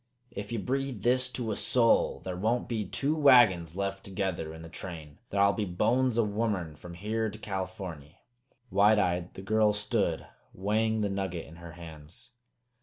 Ef ye breathe this to a soul, thar won't be two wagons left together in the train. Thar'll be bones o' womern from here to Californy!" Wide eyed, the girl stood, weighing the nugget in her hands.